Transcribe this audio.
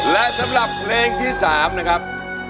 และสำหรับเพลงที่๓นะครับ